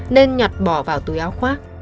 nên nhặt bỏ vào túi áo khoác